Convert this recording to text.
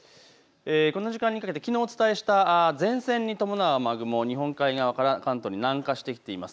この時間にかけてきのうお伝えした前線に伴う雨雲、日本海側から関東に南下してきています。